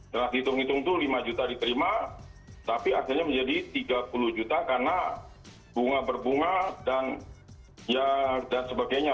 telah dihitung hitung itu lima juta diterima tapi akhirnya menjadi tiga puluh juta karena bunga berbunga dan sebagainya